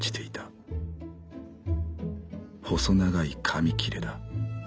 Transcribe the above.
細長い紙きれだ。